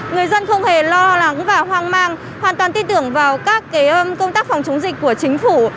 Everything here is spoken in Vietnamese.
người dân không hề lo lắng và hoang mang hoàn toàn tin tưởng vào các công tác phòng chống dịch của chính phủ